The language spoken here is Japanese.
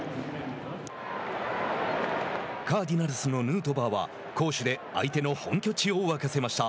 カーディナルスのヌートバーは攻守で相手の本拠地を沸かせました。